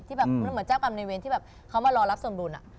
ที่แบบเหมือนแจ้วความในเว้นที่เขามารอรับสมบูรณ์อะ